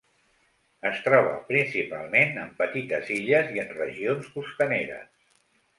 Es troba principalment en petites illes i en regions costaneres.